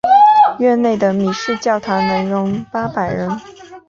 院内的米市教堂能容八百人。